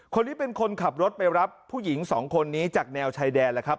คนนี้เป็นคนขับรถไปรับผู้หญิงสองคนนี้จากแนวชายแดนแล้วครับ